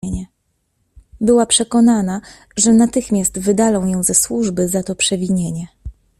Była przekonana, że natychmiast wydalą ją ze służby za to przewinienie!